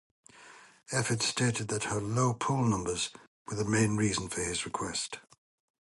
Efford stated that her low poll numbers were the main reason for his request.